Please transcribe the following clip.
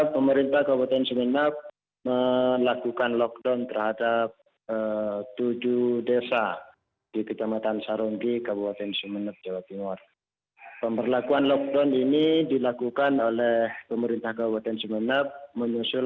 pemerintah kabupaten sumeneb memperlakukan lockdown selama empat belas hari